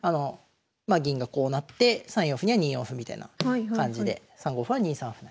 銀がこうなって３四歩には２四歩みたいな感じで３五歩は２三歩成。